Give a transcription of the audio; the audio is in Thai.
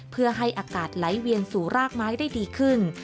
เพื่อให้อากาศไหลเวียนสู่รากไม้ได้ดีขึ้น